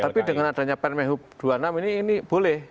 tapi dengan adanya permen hub dua puluh enam ini boleh